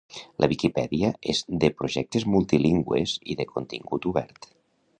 La Viquipèdia és de projectes multilingües i de contingut obert.